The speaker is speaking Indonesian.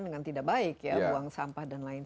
dengan tidak baik ya buang sampah dan lain